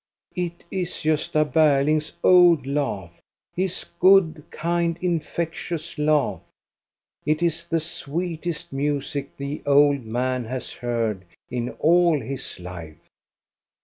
It is Gosta Berling's old laugh, his good, kind, infectious laugh. It is the sweetest music the old man has heard in all his life.